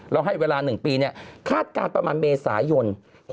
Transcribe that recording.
ให้เวลา๑ปีคาดการณ์ประมาณเมษายน